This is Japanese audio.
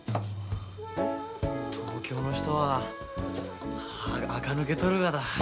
東京の人はあか抜けとるがだ。